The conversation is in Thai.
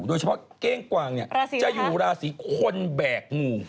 โดยเฉพาะเก้งกวางเนี่ยจะอยู่ราศีคนแบกงู